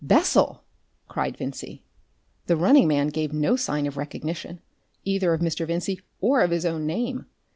"Bessel!" cried Vincey. The running man gave no sign of recognition either of Mr. Vincey or of his own name.